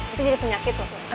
itu jadi penyakit